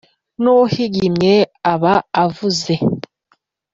Nuhigimye aba avuze.